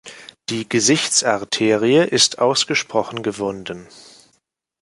Die Gesichtsarterie ist ausgesprochen gewunden.